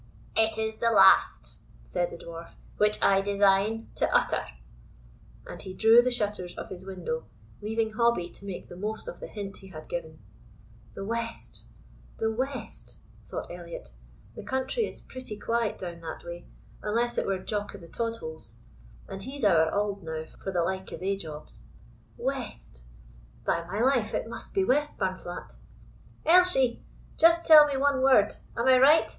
"It is the last," said the Dwarf, "which I design to utter;" and he drew the shutters of his window, leaving Hobbie to make the most of the hint he had given. The west! the west! thought Elliot; the country is pretty quiet down that way, unless it were Jock o' the Todholes; and he's ower auld now for the like o' thae jobs. West! By My life, it must be Westburnflat. "Elshie, just tell me one word. Am I right?